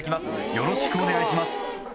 よろしくお願いします。